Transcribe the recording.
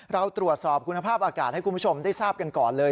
เราตรวจสอบคุณภาพอากาศให้คุณผู้ชมได้ทราบกันก่อนเลย